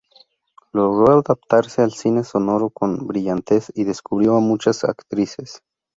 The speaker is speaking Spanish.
Logró adaptarse al cine sonoro con brillantez y descubrió a muchas actrices.